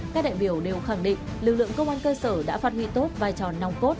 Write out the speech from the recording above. các đại biểu đều khẳng định lực lượng công an cơ sở đã phát huy tốt vai trò nòng cốt